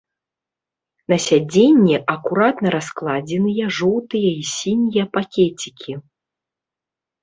На сядзенні акуратна раскладзеныя жоўтыя і сінія пакецікі.